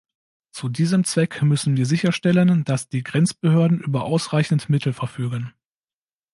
Zu diesem Zweck müssen wir sicherstellen, dass die Grenzbehörden über ausreichend Mittel verfügen.